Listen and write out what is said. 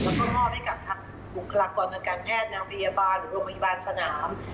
แล้วก็มอบให้กับทางบุคลากรทางการแพทย์นางพยาบาลหรือโรงพยาบาลสนาม